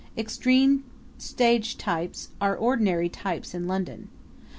Extreme stage types are ordinary types in London.